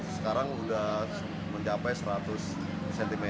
sekarang sudah mencapai seratus cm